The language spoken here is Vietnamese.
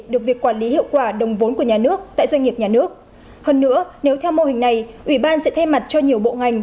được việc quản lý hiệu quả đồng vốn của nhà nước tại doanh nghiệp nhà nước